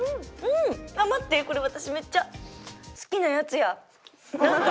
うん！あっ待ってこれ私めっちゃ好きなやつや。